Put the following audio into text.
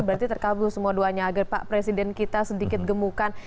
berarti terkabul semua doanya agar pak presiden kita sedikit gemukan